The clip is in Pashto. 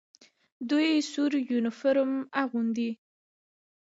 دوی سور یونیفورم اغوندي.